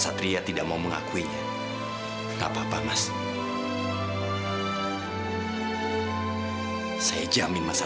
saya tidak apapun namun wij julia tumpah mencari nathanael outward disuruh mengyesir dia bedanyacher